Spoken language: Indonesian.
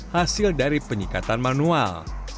hasil dari penyikatan manual